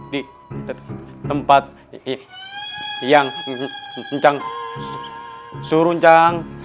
di tempat yang ncang suruh ncang